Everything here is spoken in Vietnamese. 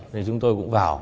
thì chúng tôi cũng vào